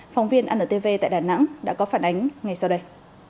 phóng viên antv tại đà nẵng đã có phản ánh ngay sau đây